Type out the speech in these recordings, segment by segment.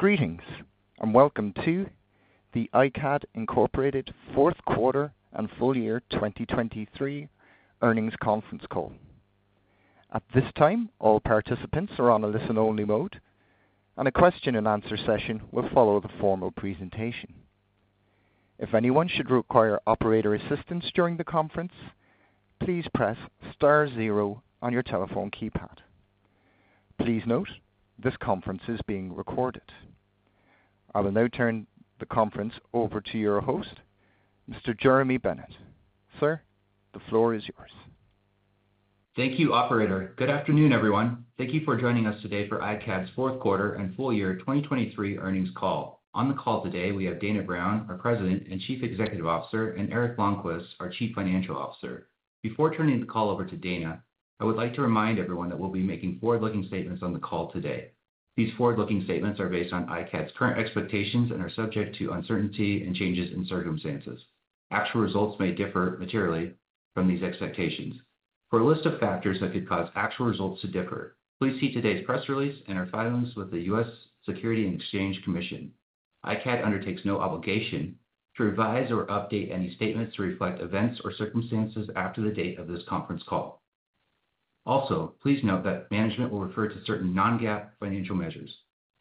Greetings, and welcome to the iCAD Inc. fourth quarter and full year 2023 earnings conference call. At this time, all participants are on a listen-only mode, and a question-and-answer session will follow the formal presentation. If anyone should require operator assistance during the conference, please press star zero on your telephone keypad. Please note, this conference is being recorded. I will now turn the conference over to your host, Mr. Jeremy Bennett. Sir, the floor is yours. Thank you, Operator. Good afternoon, everyone. Thank you for joining us today for iCAD's fourthth quarter and full year 2023 earnings call. On the call today, we have Dana Brown, our President and Chief Executive Officer, and Eric Lonnqvist, our Chief Financial Officer. Before turning the call over to Dana, I would like to remind everyone that we'll be making forward-looking statements on the call today. These forward-looking statements are based on iCAD's current expectations and are subject to uncertainty and changes in circumstances. Actual results may differ materially from these expectations. For a list of factors that could cause actual results to differ, please see today's press release and our filings with the U.S. Securities and Exchange Commission. iCAD undertakes no obligation to revise or update any statements to reflect events or circumstances after the date of this conference call. Also, please note that management will refer to certain non-GAAP financial measures.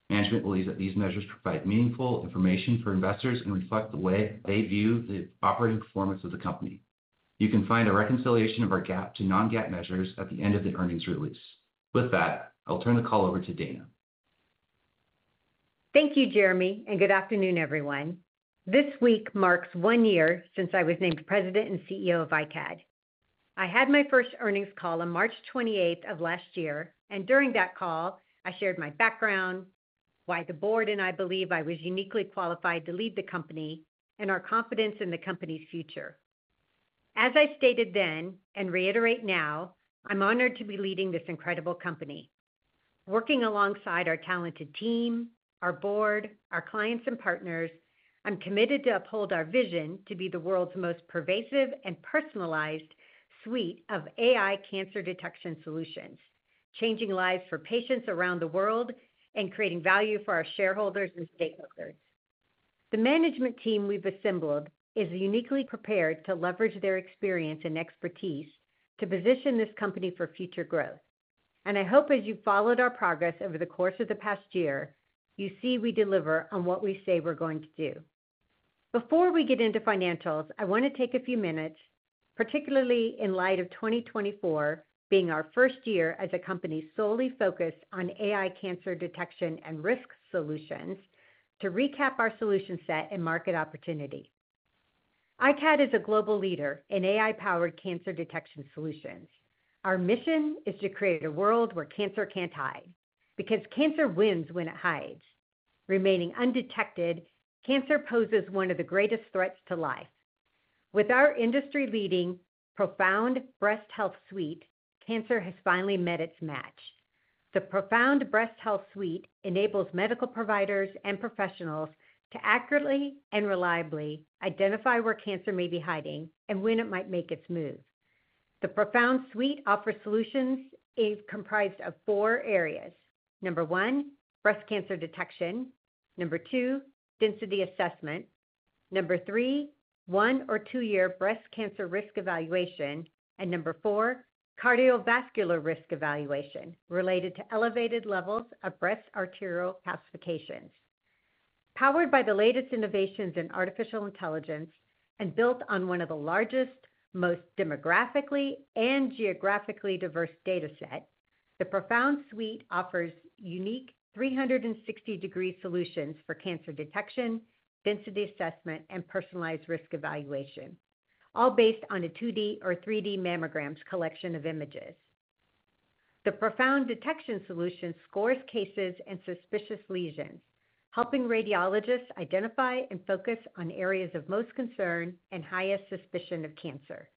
Management believes that these measures provide meaningful information for investors and reflect the way they view the operating performance of the company. You can find a reconciliation of our GAAP to non-GAAP measures at the end of the earnings release. With that, I'll turn the call over to Dana. Thank you, Jeremy, and good afternoon, everyone. This week marks one year since I was named President and CEO of iCAD. I had my first earnings call on March 28th of last year, and during that call, I shared my background, why the Board and I believe I was uniquely qualified to lead the company, and our confidence in the company's future. As I stated then and reiterate now, I'm honored to be leading this incredible company. Working alongside our talented team, our board, our clients, and partners, I'm committed to uphold our vision to be the world's most pervasive and personalized suite of AI cancer detection solutions, changing lives for patients around the world and creating value for our shareholders and stakeholders. The management team we've assembled is uniquely prepared to leverage their experience and expertise to position this company for future growth, and I hope as you've followed our progress over the course of the past year, you see we deliver on what we say we're going to do. Before we get into financials, I want to take a few minutes, particularly in light of 2024 being our first year as a company solely focused on AI cancer detection and risk solutions, to recap our solution set and market opportunity. iCAD is a global leader in AI-powered cancer detection solutions. Our mission is to create a world where cancer can't hide. Because cancer wins when it hides. Remaining undetected, cancer poses one of the greatest threats to life. With our industry-leading ProFound Breast Health Suite, cancer has finally met its match. The ProFound Breast Health Suite enables medical providers and professionals to accurately and reliably identify where cancer may be hiding and when it might make its move. The ProFound Suite offers solutions comprised of four areas: one, breast cancer detection; two, density assessment; number three, one or two-year breast cancer risk evaluation; and four, cardiovascular risk evaluation related to elevated levels of breast arterial calcifications. Powered by the latest innovations in artificial intelligence and built on one of the largest, most demographically and geographically diverse data set, the ProFound Suite offers unique 360-degree solutions for cancer detection, density assessment, and personalized risk evaluation, all based on a 2D or 3D mammograms collection of images. The ProFound Detection Solution scores cases and suspicious lesions, helping radiologists identify and focus on areas of most concern and highest suspicion of cancer.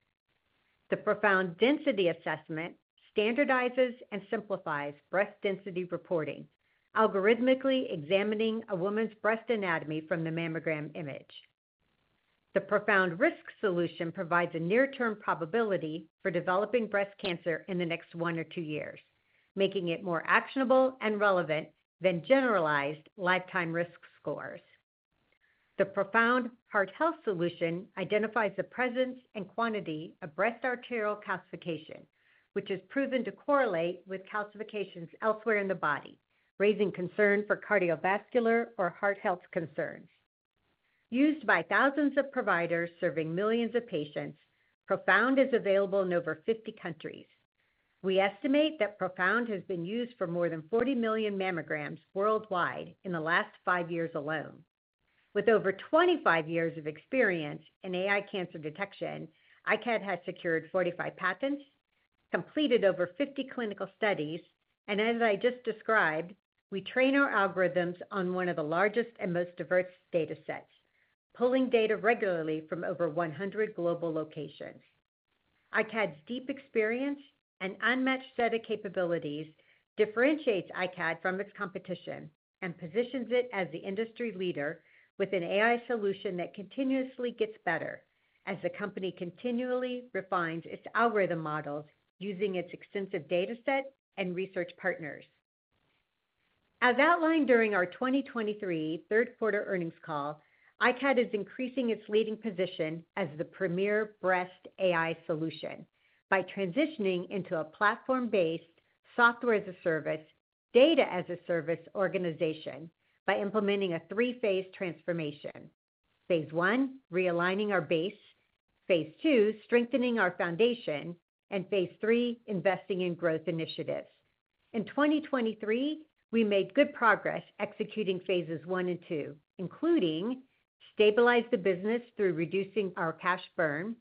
The ProFound Density Assessment standardizes and simplifies breast density reporting, algorithmically examining a woman's breast anatomy from the mammogram image. The ProFound Risk Solution provides a near-term probability for developing breast cancer in the next one or two years, making it more actionable and relevant than generalized lifetime Risk Scores. The ProFound Heart Health Solution identifies the presence and quantity of breast arterial calcification, which is proven to correlate with calcifications elsewhere in the body, raising concern for cardiovascular or heart health concerns. Used by thousands of providers serving millions of patients, ProFound is available in over 50 countries. We estimate that ProFound has been used for more than 40 million mammograms worldwide in the last five years alone. With over 25 years of experience in AI cancer detection, iCAD has secured 45 patents, completed over 50 clinical studies, and as I just described, we train our algorithms on one of the largest and most diverse data sets, pulling data regularly from over 100 global locations. iCAD's deep experience and unmatched set of capabilities differentiate iCAD from its competition and positions it as the industry leader with an AI solution that continuously gets better as the company continually refines its algorithm models using its extensive data set and research partners. As outlined during our 2023 third quarter earnings call, iCAD is increasing its leading position as the premier breast AI solution by transitioning into a platform-based software-as-a-service, data-as-a-service organization by implementing a three-phase transformation: phase I, realigning our base, phase II, strengthening our foundation, and phase III, investing in growth initiatives. In 2023, we made good progress executing phases I and II, including: stabilize the business through reducing our cash burn.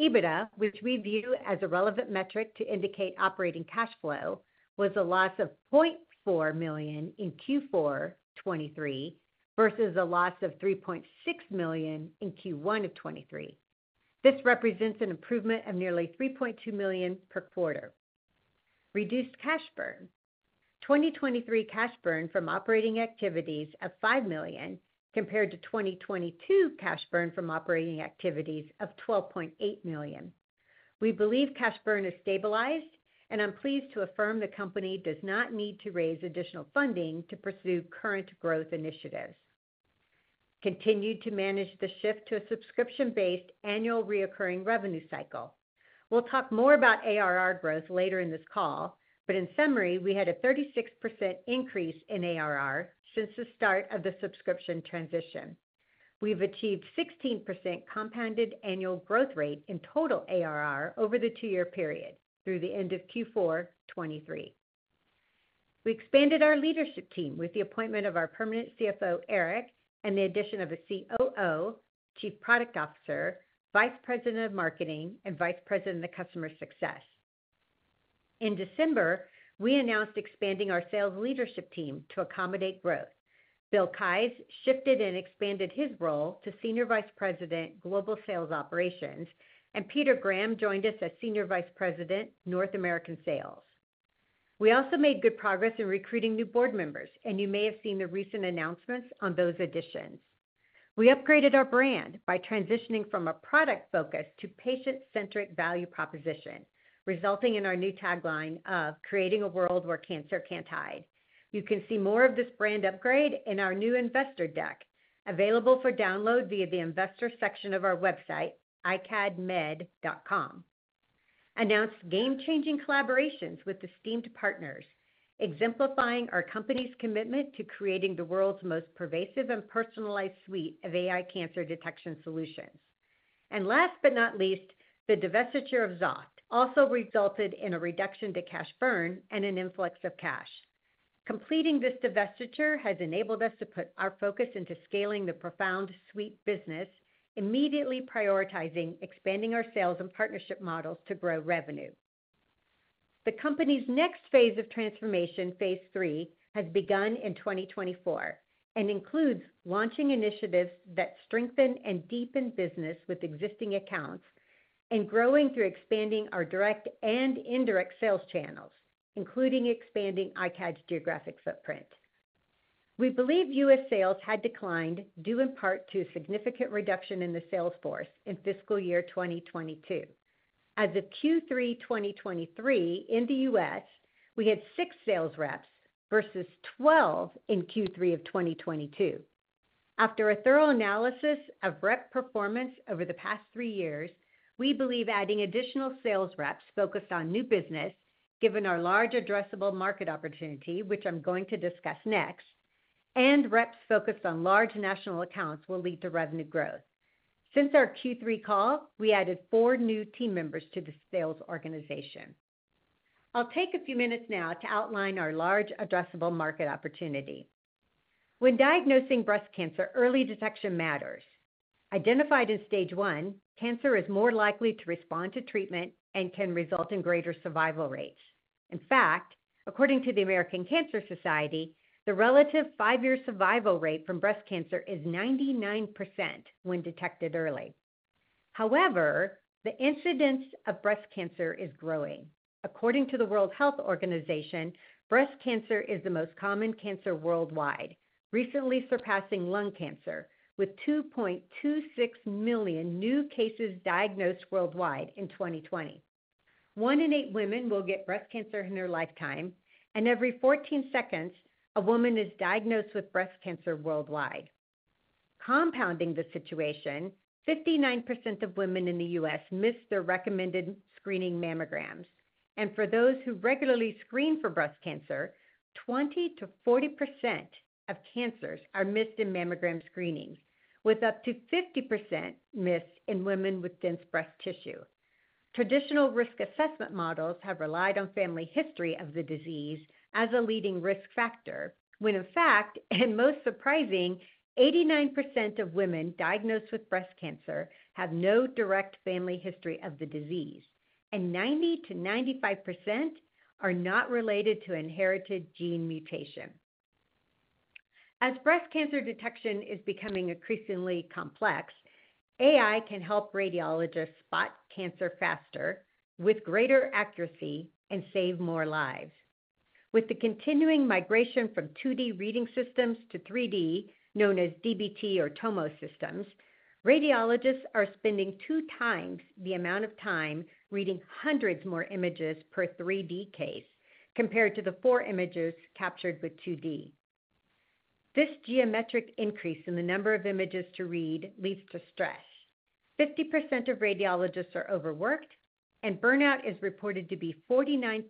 EBITDA, which we view as a relevant metric to indicate operating cash flow, was a loss of $0.4 million in Q4 of 2023 versus a loss of $3.6 million in Q1 of 2023. This represents an improvement of nearly $3.2 million per quarter. Reduced cash burn: 2023 cash burn from operating activities of $5 million compared to 2022 cash burn from operating activities of $12.8 million. We believe cash burn is stabilized, and I'm pleased to affirm the company does not need to raise additional funding to pursue current growth initiatives. Continued to manage the shift to a subscription-based annual recurring revenue cycle. We'll talk more about ARR growth later in this call, but in summary, we had a 36% increase in ARR since the start of the subscription transition. We've achieved 16% compounded annual growth rate in total ARR over the two-year period through the end of Q4 of 2023. We expanded our leadership team with the appointment of our permanent CFO, Eric, and the addition of a COO, Chief Product Officer, Vice President of Marketing, and Vice President of Customer Success. In December, we announced expanding our sales leadership team to accommodate growth. Bill Keyes shifted and expanded his role to Senior Vice President, Global Sales Operations, and Peter Graham joined us as Senior Vice President, North American Sales. We also made good progress in recruiting new board members, and you may have seen the recent announcements on those additions. We upgraded our brand by transitioning from a product-focused to patient-centric value proposition, resulting in our new tagline of "Creating a World Where Cancer Can't Hide." You can see more of this brand upgrade in our new investor deck, available for download via the investor section of our website, iCADmed.com. Announced game-changing collaborations with esteemed partners, exemplifying our company's commitment to creating the world's most pervasive and personalized suite of AI cancer detection solutions. And last but not least, the divestiture of Xoft also resulted in a reduction to cash burn and an influx of cash. Completing this divestiture has enabled us to put our focus into scaling the ProFound Suite business, immediately prioritizing expanding our sales and partnership models to grow revenue. The company's next phase of transformation, phase III, has begun in 2024 and includes launching initiatives that strengthen and deepen business with existing accounts and growing through expanding our direct and indirect sales channels, including expanding iCAD's geographic footprint. We believe U.S. sales had declined due in part to a significant reduction in the sales force in fiscal year 2022. As of Q3 2023 in the U.S., we had six sales reps versus 12 in Q3 of 2022. After a thorough analysis of rep performance over the past three years, we believe adding additional sales reps focused on new business, given our large addressable market opportunity, which I'm going to discuss next, and reps focused on large national accounts will lead to revenue growth. Since our Q3 call, we added four new team members to the sales organization. I'll take a few minutes now to outline our large addressable market opportunity. When diagnosing breast cancer, early detection matters. Identified in stage 1, cancer is more likely to respond to treatment and can result in greater survival rates. In fact, according to the American Cancer Society, the relative five-year survival rate from breast cancer is 99% when detected early. However, the incidence of breast cancer is growing. According to the World Health Organization, breast cancer is the most common cancer worldwide, recently surpassing lung cancer, with 2.26 million new cases diagnosed worldwide in 2020. One in eight women will get breast cancer in their lifetime, and every 14 seconds, a woman is diagnosed with breast cancer worldwide. Compounding the situation, 59% of women in the U.S. miss their recommended screening mammograms. For those who regularly screen for breast cancer, 20%-40% of cancers are missed in mammogram screenings, with up to 50% missed in women with dense breast tissue. Traditional risk assessment models have relied on family history of the disease as a leading risk factor when, in fact, and most surprising, 89% of women diagnosed with breast cancer have no direct family history of the disease, and 90%-95% are not related to inherited gene mutation. As breast cancer detection is becoming increasingly complex, AI can help radiologists spot cancer faster, with greater accuracy, and save more lives. With the continuing migration from 2D reading systems to 3D, known as DBT or Tomos systems, radiologists are spending two times the amount of time reading hundreds more images per 3D case compared to the four images captured with 2D. This geometric increase in the number of images to read leads to stress. 50% of radiologists are overworked, and burnout is reported to be 49%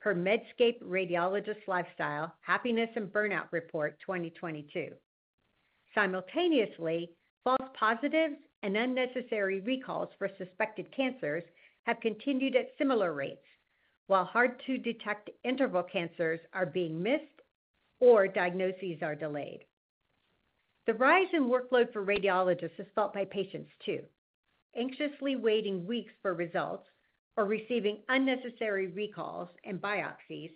per Medscape Radiologist Lifestyle Happiness and Burnout Report 2022. Simultaneously, false positives and unnecessary recalls for suspected cancers have continued at similar rates, while hard-to-detect interval cancers are being missed or diagnoses are delayed. The rise in workload for radiologists is felt by patients, too. Anxiously waiting weeks for results or receiving unnecessary recalls and biopsies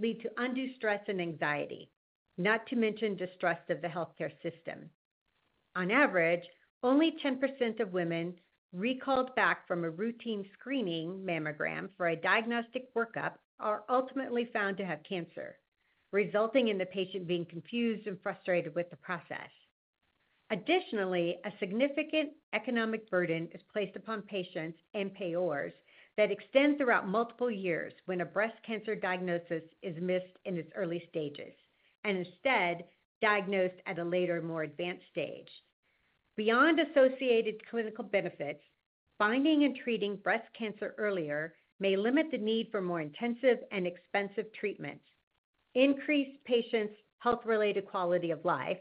lead to undue stress and anxiety, not to mention distress of the healthcare system. On average, only 10% of women recalled back from a routine screening mammogram for a diagnostic workup are ultimately found to have cancer, resulting in the patient being confused and frustrated with the process. Additionally, a significant economic burden is placed upon patients and payors that extend throughout multiple years when a breast cancer diagnosis is missed in its early stages and instead diagnosed at a later, more advanced stage. Beyond associated clinical benefits, finding and treating breast cancer earlier may limit the need for more intensive and expensive treatments, increase patients' health-related quality of life,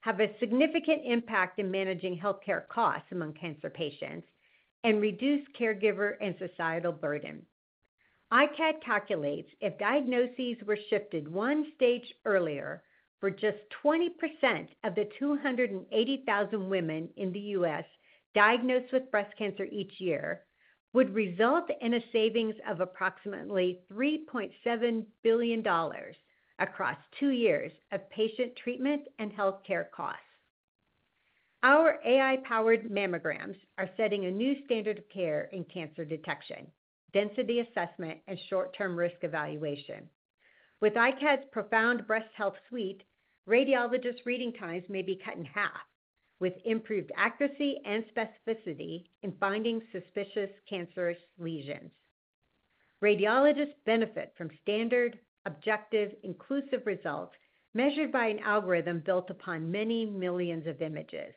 have a significant impact in managing healthcare costs among cancer patients, and reduce caregiver and societal burden. iCAD calculates if diagnoses were shifted one stage earlier, for just 20% of the 280,000 women in the U.S. diagnosed with breast cancer each year would result in a savings of approximately $3.7 billion across two years of patient treatment and healthcare costs. Our AI-powered mammograms are setting a new standard of care in cancer detection, density assessment, and short-term risk evaluation. With iCAD's ProFound Breast Health Suite, radiologists' reading times may be cut in half, with improved accuracy and specificity in finding suspicious cancerous lesions. Radiologists benefit from standard, objective, inclusive results measured by an algorithm built upon many millions of images,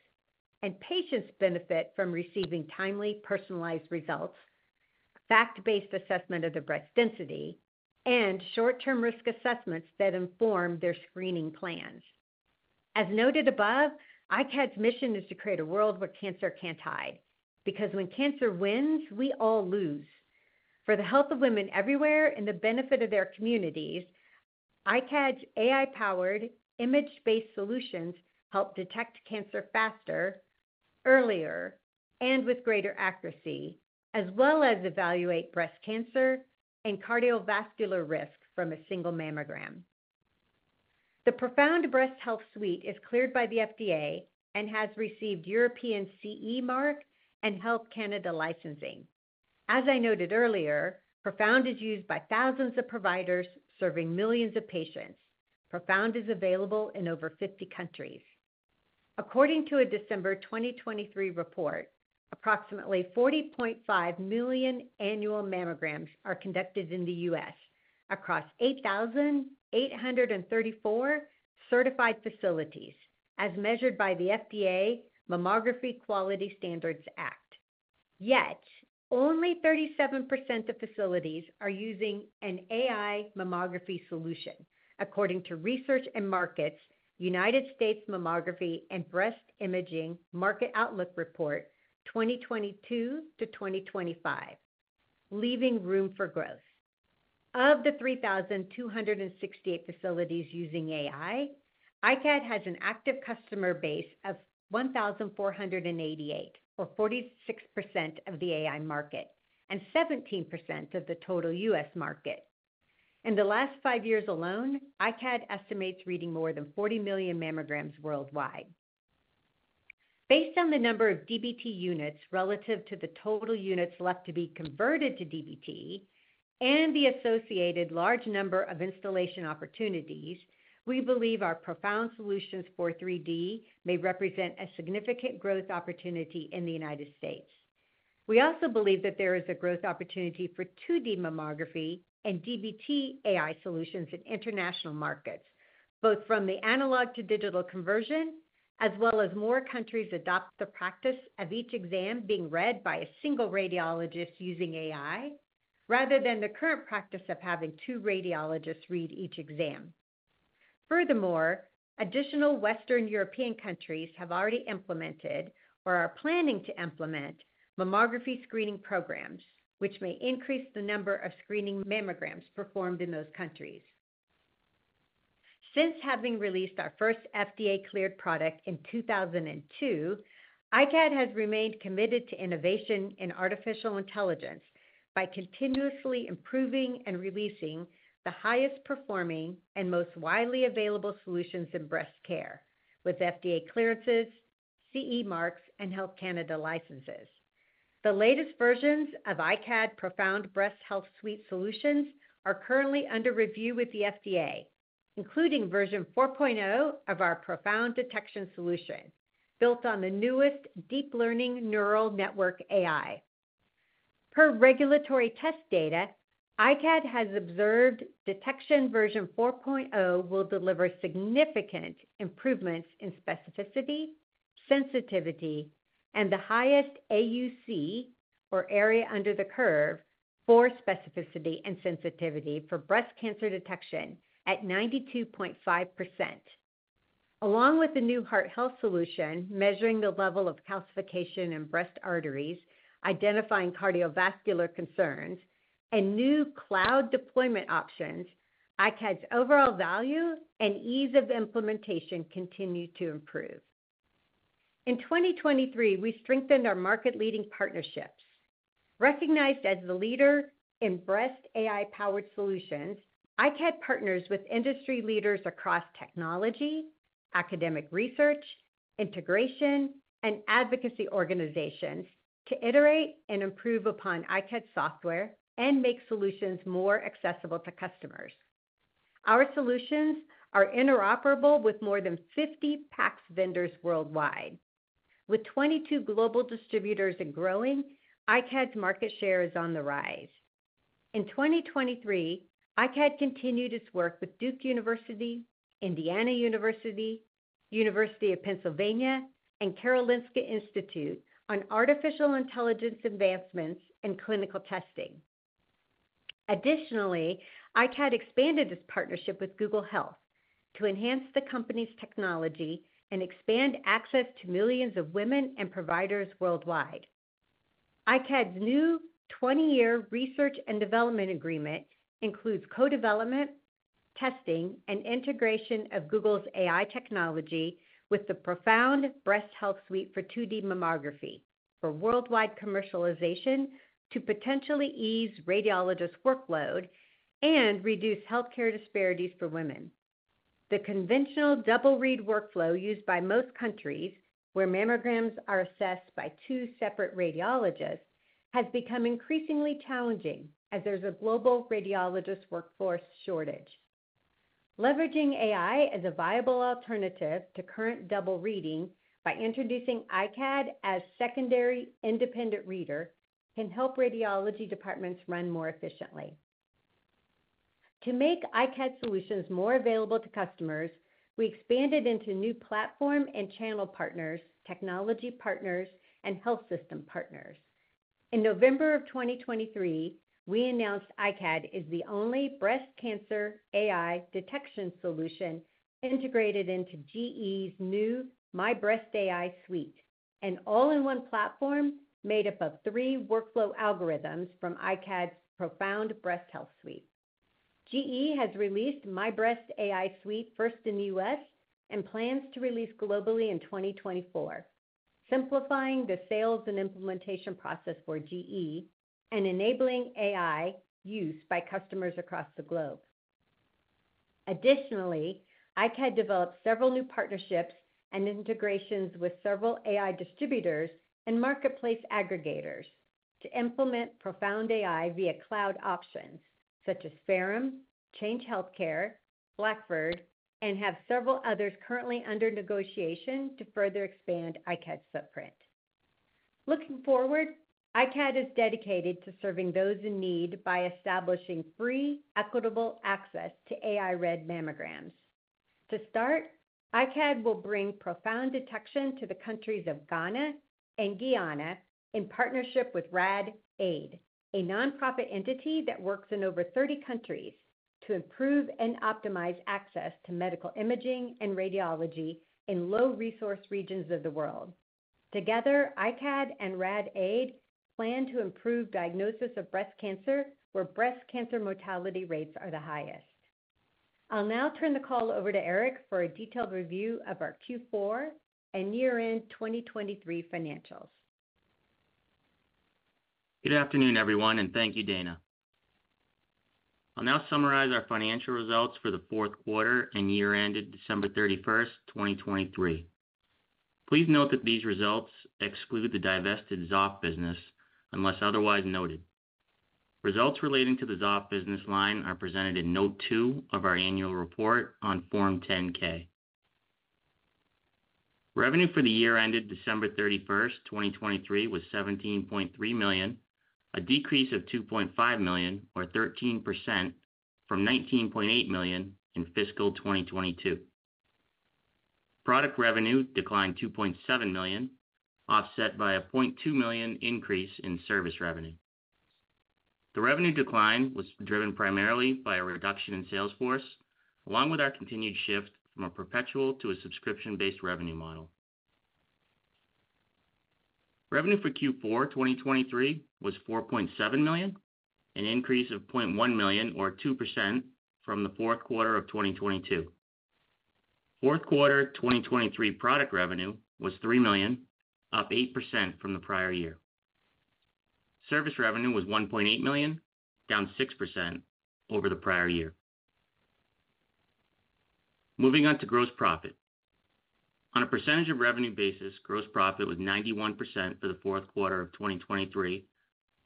and patients benefit from receiving timely, personalized results, fact-based assessment of the breast density, and short-term risk assessments that inform their screening plans. As noted above, iCAD's mission is to create a world where cancer can't hide. Because when cancer wins, we all lose. For the health of women everywhere and the benefit of their communities, iCAD's AI-powered, image-based solutions help detect cancer faster, earlier, and with greater accuracy, as well as evaluate breast cancer and cardiovascular risk from a single mammogram. The ProFound Breast Health Suite is cleared by the FDA and has received European CE Mark and Health Canada licensing. As I noted earlier, ProFound is used by thousands of providers serving millions of patients. ProFound is available in over 50 countries. According to a December 2023 report, approximately 40.5 million annual mammograms are conducted in the U.S. across 8,834 certified facilities, as measured by the FDA Mammography Quality Standards Act. Yet, only 37% of facilities are using an AI mammography solution, according to Research and Markets' United States Mammography and Breast Imaging Market Outlook Report 2022 to 2025, leaving room for growth. Of the 3,268 facilities using AI, iCAD has an active customer base of 1,488, or 46% of the AI market, and 17% of the total U.S. market. In the last five years alone, iCAD estimates reading more than 40 million mammograms worldwide. Based on the number of DBT units relative to the total units left to be converted to DBT and the associated large number of installation opportunities, we believe our ProFound Solutions for 3D may represent a significant growth opportunity in the United States. We also believe that there is a growth opportunity for 2D mammography and DBT AI solutions in international markets, both from the analog-to-digital conversion, as well as more countries adopt the practice of each exam being read by a single radiologist using AI, rather than the current practice of having two radiologists read each exam. Furthermore, additional Western European countries have already implemented, or are planning to implement, mammography screening programs, which may increase the number of screening mammograms performed in those countries. Since having released our first FDA-cleared product in 2002, iCAD has remained committed to innovation in artificial intelligence by continuously improving and releasing the highest performing and most widely available solutions in breast care, with FDA clearances, CE marks, and Health Canada licenses. The latest versions of iCAD's ProFound Breast Health Suite solutions are currently under review with the FDA, including Version 4.0 of our ProFound Detection Solution, built on the newest deep learning neural network AI. Per regulatory test data, iCAD has observed Detection Version 4.0 will deliver significant improvements in specificity, sensitivity, and the highest AUC, or area under the curve, for specificity and sensitivity for breast cancer detection at 92.5%. Along with the new heart health solution measuring the level of calcification in breast arteries, identifying cardiovascular concerns, and new cloud deployment options, iCAD's overall value and ease of implementation continue to improve. In 2023, we strengthened our market-leading partnerships. Recognized as the leader in breast AI-powered solutions, iCAD partners with industry leaders across technology, academic research, integration, and advocacy organizations to iterate and improve upon iCAD software and make solutions more accessible to customers. Our solutions are interoperable with more than 50 PACS vendors worldwide. With 22 global distributors and growing, iCAD's market share is on the rise. In 2023, iCAD continued its work with Duke University, Indiana University, University of Pennsylvania, and Karolinska Institute on artificial intelligence advancements in clinical testing. Additionally, iCAD expanded its partnership with Google Health to enhance the company's technology and expand access to millions of women and providers worldwide. iCAD's new 20-year research and development agreement includes co-development, testing, and integration of Google's AI technology with the ProFound Breast Health Suite for 2D mammography, for worldwide commercialization to potentially ease radiologists' workload and reduce healthcare disparities for women. The conventional double-read workflow used by most countries, where mammograms are assessed by two separate radiologists, has become increasingly challenging as there's a global radiologist workforce shortage. Leveraging AI as a viable alternative to current double reading by introducing iCAD as secondary independent reader can help radiology departments run more efficiently. To make iCAD solutions more available to customers, we expanded into new platform and channel partners, technology partners, and health system partners. In November of 2023, we announced iCAD is the only breast cancer AI detection solution integrated into GE's new MyBreastAI Suite, an all-in-one platform made up of three workflow algorithms from iCAD's ProFound Breast Health Suite. GE has released MyBreast AI Suite first in the U.S. and plans to release globally in 2024, simplifying the sales and implementation process for GE and enabling AI use by customers across the globe. Additionally, iCAD developed several new partnerships and integrations with several AI distributors and marketplace aggregators to implement ProFound AI via cloud options, such as Ferrum, Change Healthcare, Blackford, and have several others currently under negotiation to further expand iCAD's footprint. Looking forward, iCAD is dedicated to serving those in need by establishing free, equitable access to AI-read mammograms. To start, iCAD will bring ProFound Detection to the countries of Ghana and Guyana in partnership with RAD-AID, a nonprofit entity that works in over 30 countries to improve and optimize access to medical imaging and radiology in low-resource regions of the world. Together, iCAD and RAD-AID plan to improve diagnosis of breast cancer where breast cancer mortality rates are the highest. I'll now turn the call over to Eric for a detailed review of our Q4 and year-end 2023 financials. Good afternoon, everyone, and thank you, Dana. I'll now summarize our financial results for the fourth quarter and year-end at December 31, 2023. Please note that these results exclude the divested Xoft business unless otherwise noted. Results relating to the Xoft business line are presented in Note 2 of our annual report on Form 10-K. Revenue for the year-end at December 31, 2023, was $17.3 million, a decrease of $2.5 million, or 13%, from $19.8 million in fiscal 2022. Product revenue declined $2.7 million, offset by a $0.2 million increase in service revenue. The revenue decline was driven primarily by a reduction in sales force, along with our continued shift from a perpetual to a subscription-based revenue model. Revenue for Q4 2023 was $4.7 million, an increase of $0.1 million, or 2%, from the fourth quarter of 2022. Fourth quarter 2023 product revenue was $3 million, up 8% from the prior year. Service revenue was $1.8 million, down 6% over the prior year. Moving on to gross profit. On a percentage of revenue basis, gross profit was 91% for the fourth quarter of 2023,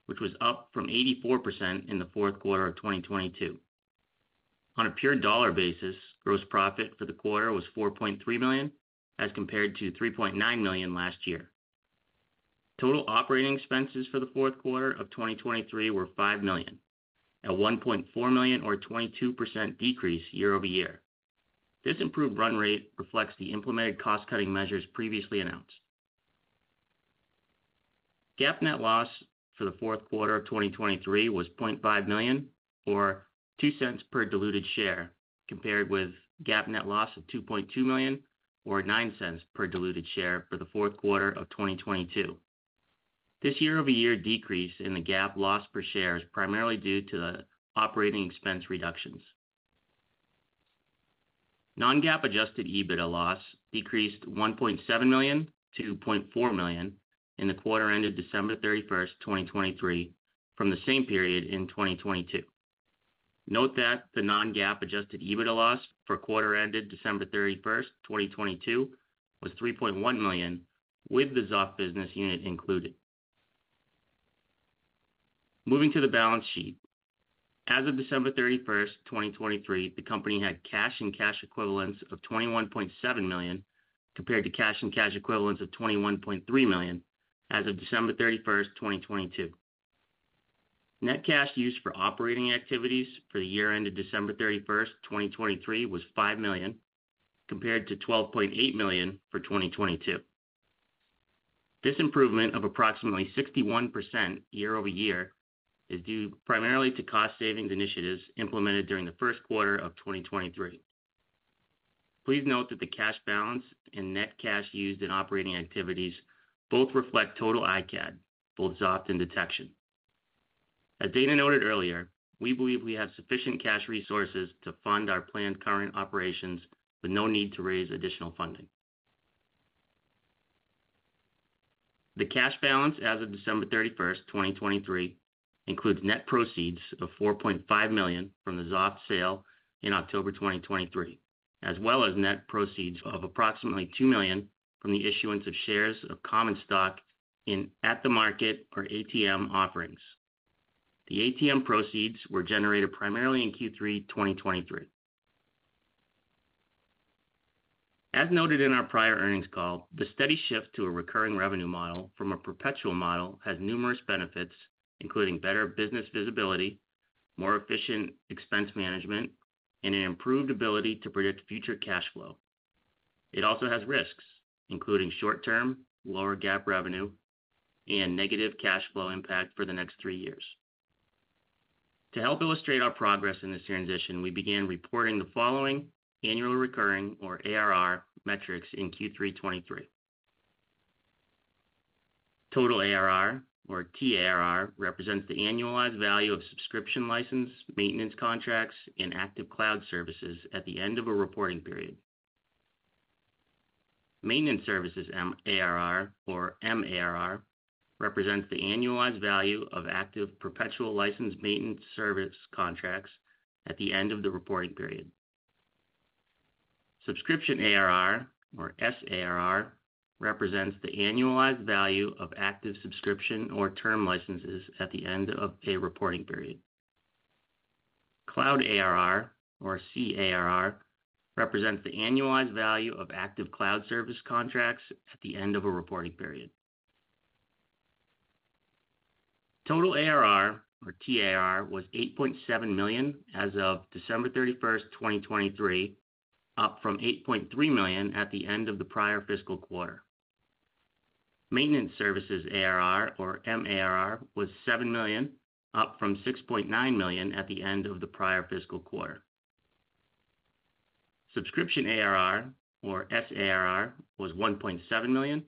which was up from 84% in the fourth quarter of 2022. On a pure dollar basis, gross profit for the quarter was $4.3 million as compared to $3.9 million last year. Total operating expenses for the fourth quarter of 2023 were $5 million, a $1.4 million, or 22% decrease year-over-year. This improved run rate reflects the implemented cost-cutting measures previously announced. GAAP net loss for the fourth quarter of 2023 was $0.5 million, or $0.02 per diluted share, compared with GAAP net loss of $2.2 million, or $0.09 per diluted share for the fourth quarter of 2022. This year-over-year decrease in the GAAP loss per share is primarily due to the operating expense reductions. Non-GAAP adjusted EBITDA loss decreased $1.7 million to $0.4 million in the quarter-ended December 31, 2023, from the same period in 2022. Note that the non-GAAP adjusted EBITDA loss for quarter-ended December 31, 2022, was $3.1 million, with the Xoft business unit included. Moving to the balance sheet. As of December 31, 2023, the company had cash and cash equivalents of $21.7 million compared to cash and cash equivalents of $21.3 million as of December 31, 2022. Net cash used for operating activities for the year-end at December 31, 2023, was $5 million, compared to $12.8 million for 2022. This improvement of approximately 61% year-over-year is due primarily to cost-savings initiatives implemented during the first quarter of 2023. Please note that the cash balance and net cash used in operating activities both reflect total iCAD, both Xoft and detection. As Dana noted earlier, we believe we have sufficient cash resources to fund our planned current operations with no need to raise additional funding. The cash balance as of December 31, 2023, includes net proceeds of $4.5 million from the Xoft sale in October 2023, as well as net proceeds of approximately $2 million from the issuance of shares of common stock in at-the-market or ATM offerings. The ATM proceeds were generated primarily in Q3 2023. As noted in our prior earnings call, the steady shift to a recurring revenue model from a perpetual model has numerous benefits, including better business visibility, more efficient expense management, and an improved ability to predict future cash flow. It also has risks, including short-term, lower GAAP revenue, and negative cash flow impact for the next three years. To help illustrate our progress in this transition, we began reporting the following annual recurring, or ARR, metrics in Q3 2023. Total ARR, or TARR, represents the annualized value of subscription license maintenance contracts and active cloud services at the end of a reporting period. Maintenance services ARR, or MARR, represents the annualized value of active perpetual license maintenance service contracts at the end of the reporting period. Subscription ARR, or SARR, represents the annualized value of active subscription or term licenses at the end of a reporting period. Cloud ARR, or CARR, represents the annualized value of active cloud service contracts at the end of a reporting period. Total ARR, or TARR, was $8.7 million as of December 31, 2023, up from $8.3 million at the end of the prior fiscal quarter. Maintenance services ARR, or MARR, was $7 million, up from $6.9 million at the end of the prior fiscal quarter. Subscription ARR, or SARR, was $1.7 million,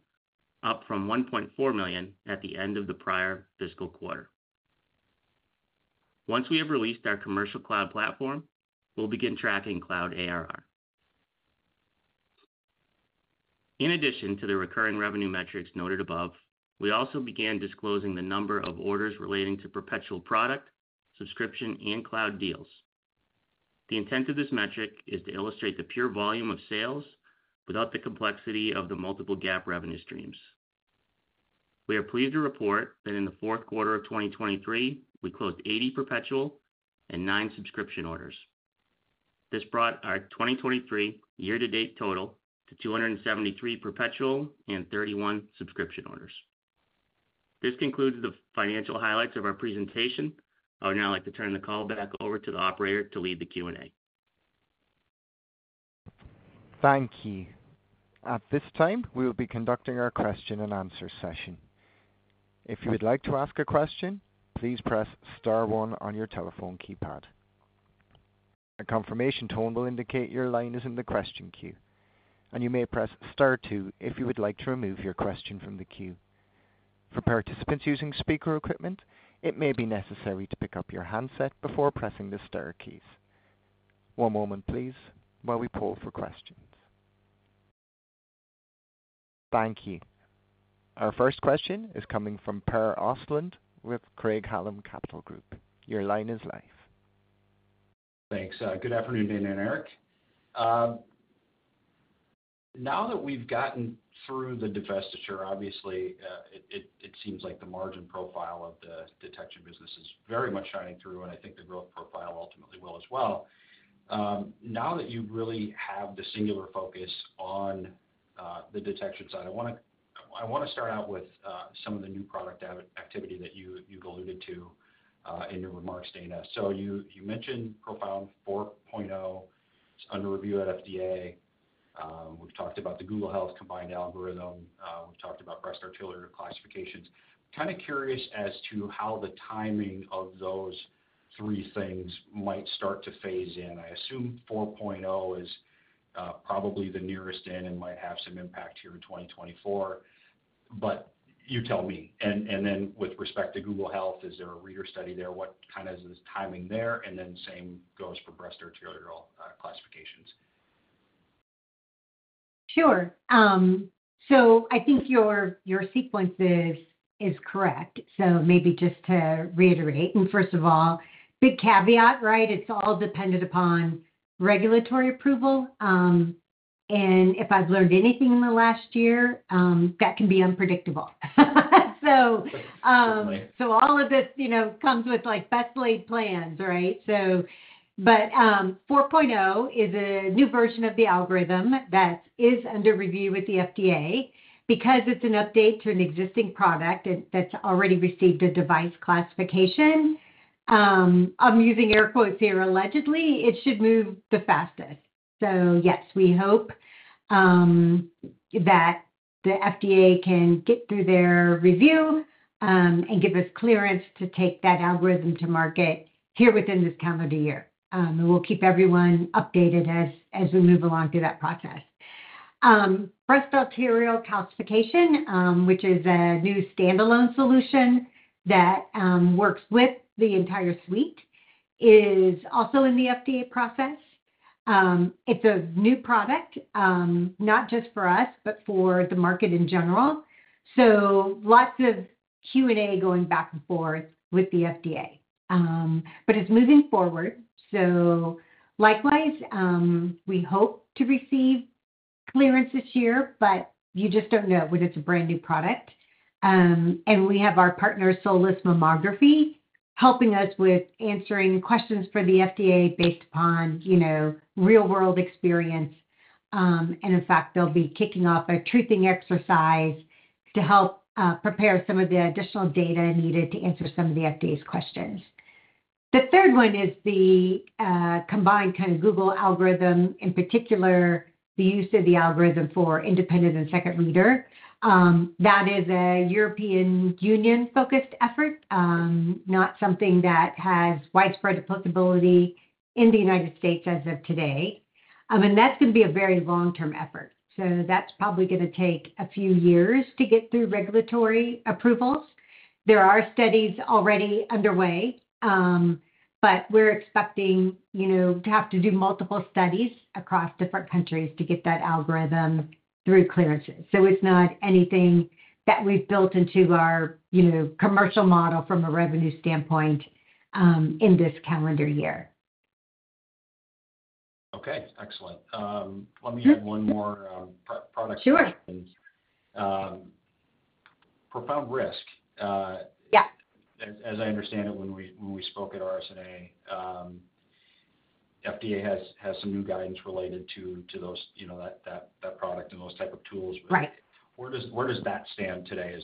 up from $1.4 million at the end of the prior fiscal quarter. Once we have released our commercial cloud platform, we'll begin tracking cloud ARR. In addition to the recurring revenue metrics noted above, we also began disclosing the number of orders relating to perpetual product, subscription, and cloud deals. The intent of this metric is to illustrate the pure volume of sales without the complexity of the multiple GAAP revenue streams. We are pleased to report that in the fourth quarter of 2023, we closed 80 perpetual and nine subscription orders. This brought our 2023 year-to-date total to 273 perpetual and 31 subscription orders. This concludes the financial highlights of our presentation. I would now like to turn the call back over to the operator to lead the Q&A. Thank you. At this time, we will be conducting our question-and-answer session. If you would like to ask a question, please press star one on your telephone keypad. A confirmation tone will indicate your line is in the question queue, and you may press star two if you would like to remove your question from the queue. For participants using speaker equipment, it may be necessary to pick up your handset before pressing the star keys. One moment, please, while we pull for questions. Thank you. Our first question is coming from Per Ostlund with Craig-Hallum Capital Group. Your line is live. Thanks. Good afternoon, Dana and Eric. Now that we've gotten through the divestiture, obviously, it seems like the margin profile of the detection business is very much shining through, and I think the growth profile ultimately will as well. Now that you really have the singular focus on the detection side, I want to start out with some of the new product activity that you've alluded to in your remarks, Dana. So you mentioned ProFound 4.0. It's under review at FDA. We've talked about the Google Health combined algorithm. We've talked about breast arterial calcifications. Kind of curious as to how the timing of those three things might start to phase in. I assume 4.0 is probably the nearest in and might have some impact here in 2024, but you tell me. And then with respect to Google Health, is there a reader study there? What kind of timing is there? And then the same goes for breast arterial calcifications. Sure. So I think your sequence is correct. So maybe just to reiterate, and first of all, big caveat, right? It's all dependent upon regulatory approval. And if I've learned anything in the last year, that can be unpredictable. So all of this comes with best-laid plans, right? But 4.0 is a new version of the algorithm that is under review with the FDA. Because it's an update to an existing product that's already received a device classification, I'm using air quotes here allegedly, it should move the fastest. So yes, we hope that the FDA can get through their review and give us clearance to take that algorithm to market here within this calendar year. And we'll keep everyone updated as we move along through that process. Breast arterial calcification, which is a new standalone solution that works with the entire suite, is also in the FDA process. It's a new product, not just for us, but for the market in general. So lots of Q&A going back and forth with the FDA. But it's moving forward. So likewise, we hope to receive clearance this year, but you just don't know when it's a brand-new product. And we have our partner, Solis Mammography, helping us with answering questions for the FDA based upon real-world experience. And in fact, they'll be kicking off a truthing exercise to help prepare some of the additional data needed to answer some of the FDA's questions. The third one is the combined kind of Google algorithm, in particular, the use of the algorithm for independent and second reader. That is a European Union-focused effort, not something that has widespread applicability in the United States as of today. And that's going to be a very long-term effort. So that's probably going to take a few years to get through regulatory approvals. There are studies already underway, but we're expecting to have to do multiple studies across different countries to get that algorithm through clearances. So it's not anything that we've built into our commercial model from a revenue standpoint in this calendar year. Okay. Excellent. Let me add one more product question. Sure. ProFound Risk, as I understand it when we spoke at RSNA, FDA has some new guidance related to that product and those type of tools. Where does that stand today?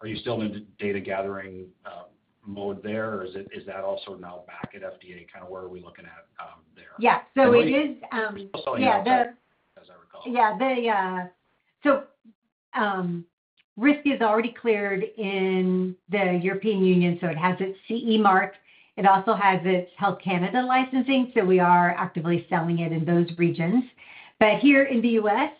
Are you still in data-gathering mode there, or is that also now back at FDA? Kind of where are we looking at there? Yeah. So it is. Selling it out there, as I recall. Yeah. So risk is already cleared in the European Union, so it has its CE Mark. It also has its Health Canada licensing, so we are actively selling it in those regions. But here in the U.S.,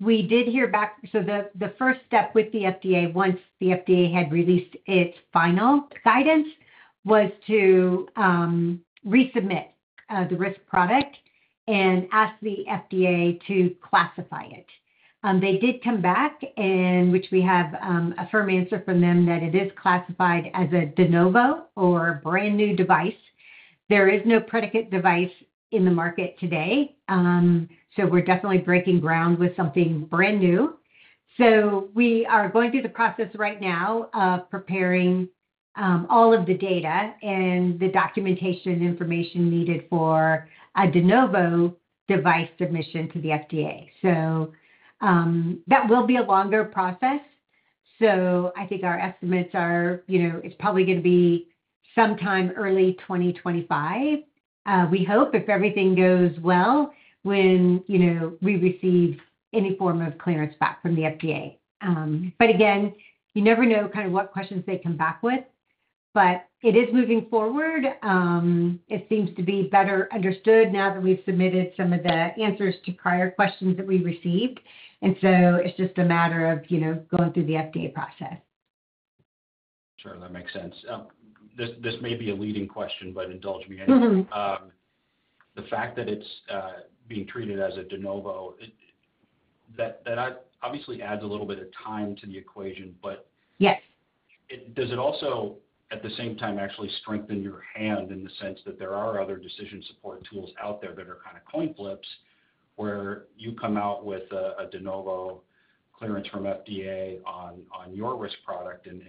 we did hear back, so the first step with the FDA, once the FDA had released its final guidance, was to resubmit the risk product and ask the FDA to classify it. They did come back, which we have a firm answer from them that it is classified as a De Novo or brand-new device. There is no predicate device in the market today, so we're definitely breaking ground with something brand new. So we are going through the process right now of preparing all of the data and the documentation and information needed for a de novo device submission to the FDA. So that will be a longer process. I think our estimates are it's probably going to be sometime early 2025, we hope, if everything goes well when we receive any form of clearance back from the FDA. But again, you never know kind of what questions they come back with. But it is moving forward. It seems to be better understood now that we've submitted some of the answers to prior questions that we received. So it's just a matter of going through the FDA process. Sure. That makes sense. This may be a leading question but indulge me anyway. The fact that it's being treated as a De Novo, that obviously adds a little bit of time to the equation, but does it also, at the same time, actually strengthen your hand in the sense that there are other decision support tools out there that are kind of coin flips, where you come out with a De Novo clearance from FDA on your risk product, and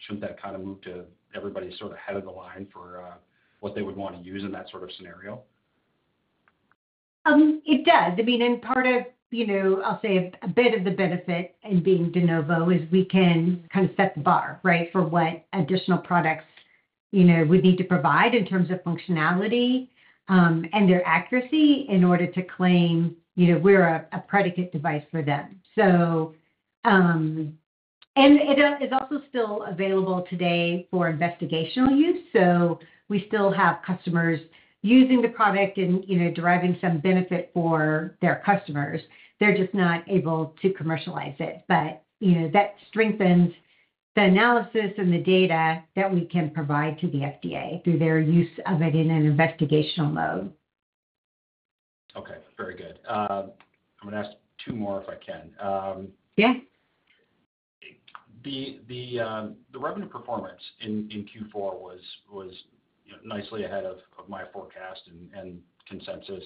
shouldn't that kind of move to everybody's sort of head of the line for what they would want to use in that sort of scenario? It does. I mean, part of, I'll say, a bit of the benefit in being De Novo is we can kind of set the bar, right, for what additional products we'd need to provide in terms of functionality and their accuracy in order to claim we're a predicate device for them. It is also still available today for investigational use. We still have customers using the product and deriving some benefit for their customers. They're just not able to commercialize it. That strengthens the analysis and the data that we can provide to the FDA through their use of it in an investigational mode. Okay. Very good. I'm going to ask two more if I can. Yeah. The revenue performance in Q4 was nicely ahead of my forecast and consensus.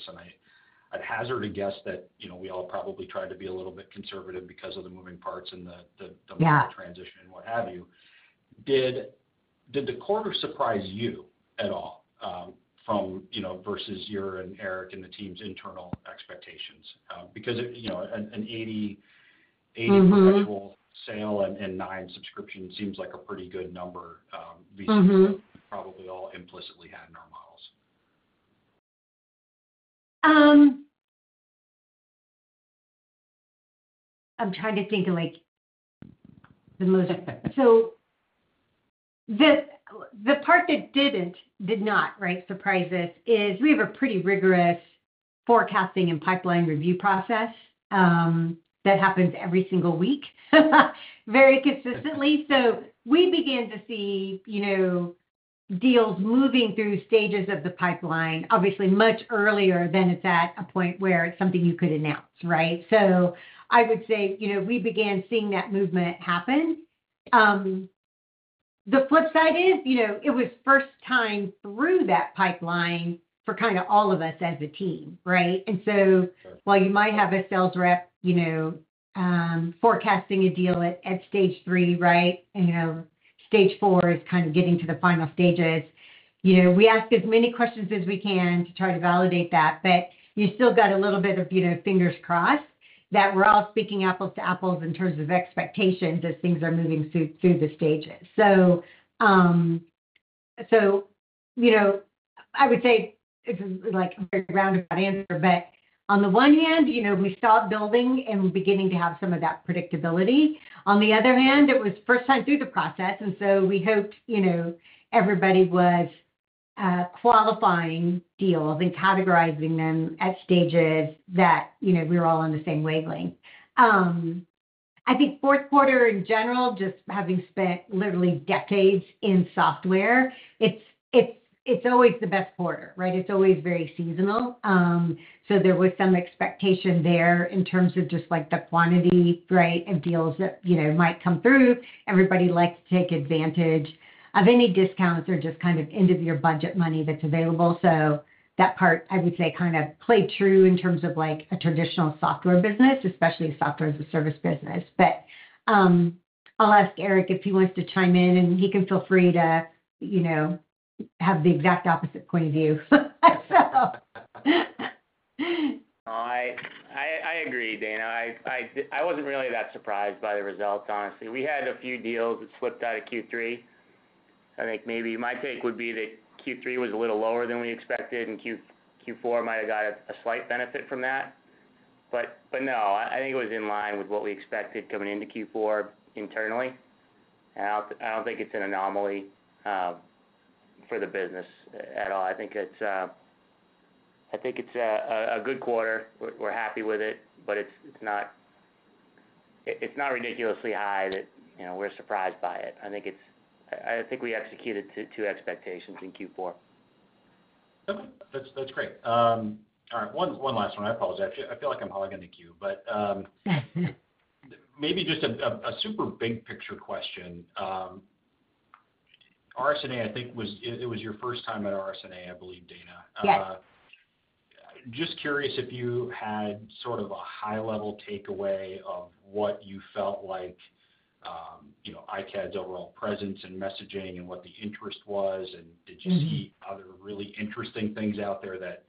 I'd hazard to guess that we all probably tried to be a little bit conservative because of the moving parts and the market transition and what have you. Did the quarter surprise you at all versus your and Eric and the team's internal expectations? Because an 80 perpetual sale and nine subscription seems like a pretty good number vis-a-vis what we probably all implicitly had in our models. The part that did not, right, surprise us is we have a pretty rigorous forecasting and pipeline review process that happens every single week very consistently. So we began to see deals moving through stages of the pipeline, obviously, much earlier than it's at a point where it's something you could announce, right? So I would say we began seeing that movement happen. The flip side is it was first time through that pipeline for kind of all of us as a team, right? And so while you might have a sales rep forecasting a deal at stage three, right, and stage four is kind of getting to the final stages, we ask as many questions as we can to try to validate that. But you still got a little bit of fingers crossed that we're all speaking apples to apples in terms of expectations as things are moving through the stages. So I would say it's a very roundabout answer. But on the one hand, we saw it building and beginning to have some of that predictability. On the other hand, it was first time through the process. And so we hoped everybody was qualifying deals and categorizing them at stages that we were all on the same wavelength. I think fourth quarter, in general, just having spent literally decades in software, it's always the best quarter, right? It's always very seasonal. So there was some expectation there in terms of just the quantity, right, of deals that might come through. Everybody liked to take advantage of any discounts or just kind of end-of-year budget money that's available. So that part, I would say, kind of played true in terms of a traditional software business, especially a software-as-a-service business. But I'll ask Eric if he wants to chime in, and he can feel free to have the exact opposite point of view, so. I agree, Dana. I wasn't really that surprised by the results, honestly. We had a few deals that slipped out of Q3. I think maybe my take would be that Q3 was a little lower than we expected, and Q4 might have got a slight benefit from that. But no, I think it was in line with what we expected coming into Q4 internally. And I don't think it's an anomaly for the business at all. I think it's a good quarter. We're happy with it, but it's not ridiculously high that we're surprised by it. I think we executed to expectations in Q4. Okay. That's great. All right. One last one. I apologize. I feel like I'm hogging the cue. But maybe just a super big picture question. RSNA, I think it was your first time at RSNA, I believe, Dana. Just curious if you had sort of a high-level takeaway of what you felt like iCAD's overall presence and messaging and what the interest was. And did you see other really interesting things out there that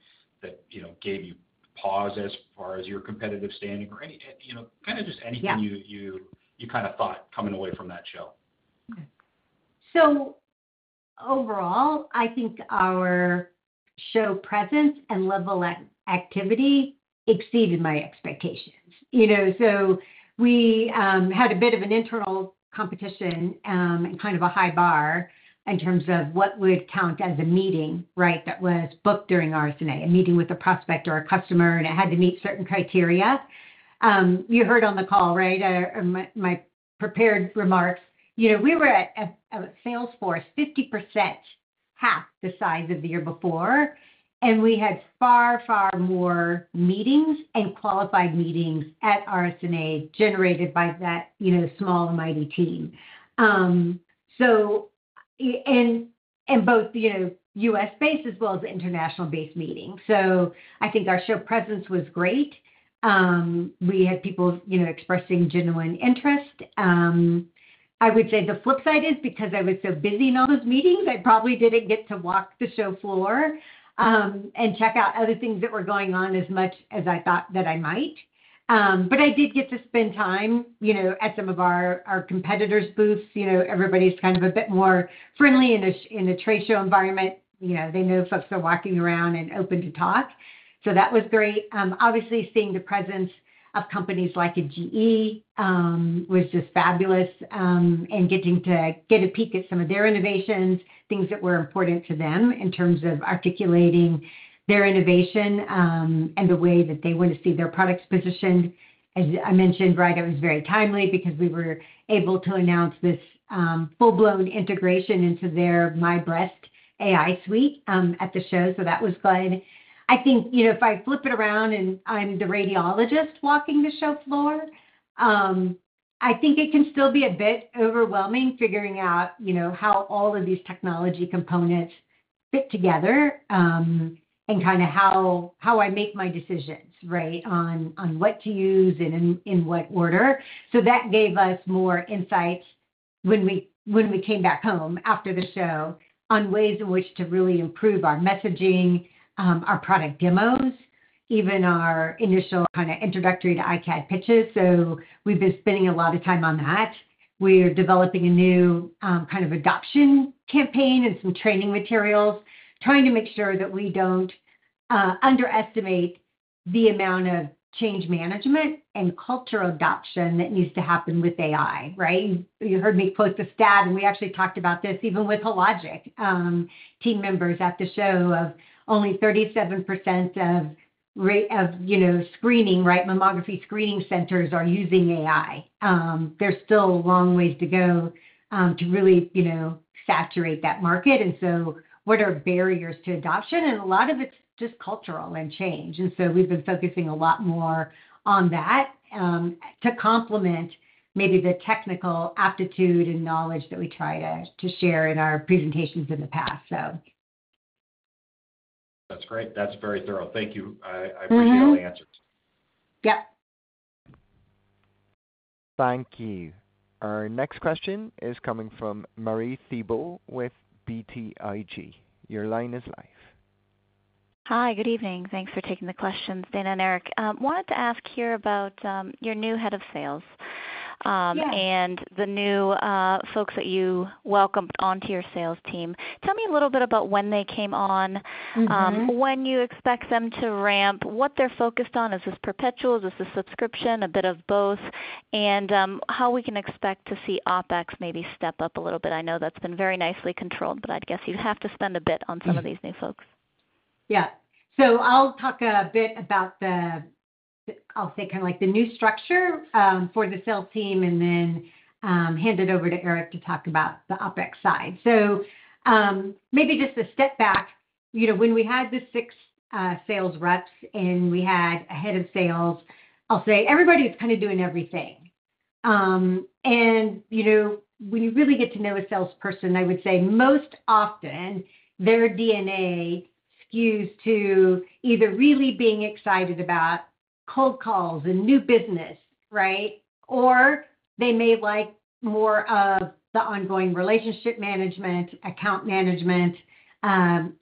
gave you pause as far as your competitive standing? Kind of just anything you kind of thought coming away from that show. So overall, I think our show presence and level activity exceeded my expectations. So we had a bit of an internal competition and kind of a high bar in terms of what would count as a meeting, right, that was booked during RSNA, a meeting with a prospect or a customer, and it had to meet certain criteria. You heard on the call, right, my prepared remarks. We were at a sales force 50% half the size of the year before, and we had far, far more meetings and qualified meetings at RSNA generated by that small and mighty team, and both U.S.-based as well as international-based meetings. So I think our show presence was great. We had people expressing genuine interest. I would say the flip side is because I was so busy in all those meetings, I probably didn't get to walk the show floor and check out other things that were going on as much as I thought that I might. But I did get to spend time at some of our competitors' booths. Everybody's kind of a bit more friendly in a trade show environment. They know folks are walking around and open to talk. So that was great. Obviously, seeing the presence of companies like a GE was just fabulous and getting to get a peek at some of their innovations, things that were important to them in terms of articulating their innovation and the way that they want to see their products positioned. As I mentioned, right, it was very timely because we were able to announce this full-blown integration into their MyBreast AI Suite at the show. That was good. I think if I flip it around and I'm the radiologist walking the show floor, I think it can still be a bit overwhelming figuring out how all of these technology components fit together and kind of how I make my decisions, right, on what to use and in what order. That gave us more insights when we came back home after the show on ways in which to really improve our messaging, our product demos, even our initial kind of introductory to iCAD pitches. We've been spending a lot of time on that. We are developing a new kind of adoption campaign and some training materials, trying to make sure that we don't underestimate the amount of change management and cultural adoption that needs to happen with AI, right? You heard me quote the stat, and we actually talked about this even with Hologic team members at the show of only 37% of screening, right? Mammography screening centers are using AI. There's still a long ways to go to really saturate that market. And so what are barriers to adoption? And a lot of it's just cultural and change. And so we've been focusing a lot more on that to complement maybe the technical aptitude and knowledge that we try to share in our presentations in the past, so. That's great. That's very thorough. Thank you. I appreciate all the answers. Yep. Thank you. Our next question is coming from Marie Thibault with BTIG. Your line is live. Hi. Good evening. Thanks for taking the questions, Dana and Eric. Wanted to ask here about your new head of sales and the new folks that you welcomed onto your sales team. Tell me a little bit about when they came on, when you expect them to ramp, what they're focused on. Is this perpetual? Is this a subscription? A bit of both, and how we can expect to see OpEx maybe step up a little bit. I know that's been very nicely controlled, but I'd guess you'd have to spend a bit on some of these new folks. Yeah. So I'll talk a bit about the, I'll say, kind of like the new structure for the sales team and then hand it over to Eric to talk about the OpEx side. So maybe just a step back. When we had the six sales reps and we had a head of sales, I'll say, everybody is kind of doing everything. And when you really get to know a salesperson, I would say most often, their DNA skews to either really being excited about cold calls and new business, right? Or they may like more of the ongoing relationship management, account management,